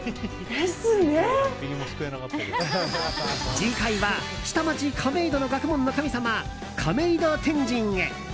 次回は下町、亀戸の学問の神様亀戸天神へ。